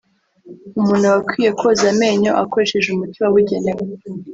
umuntu aba akwiye koza amenyo akoresheje umuti wabugenewe